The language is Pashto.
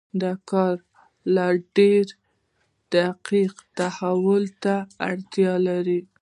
دا کار لا ډېر دقت او تحلیل ته اړتیا لري.